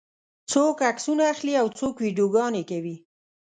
څوک عکسونه اخلي او څوک ویډیوګانې کوي.